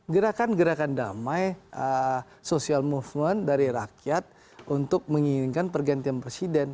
gerakan gerakan damai social movement dari rakyat untuk menginginkan pergantian presiden